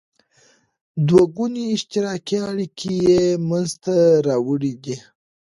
دوه ګوني اشتراکي اړیکه یې مینځته راوړې ده.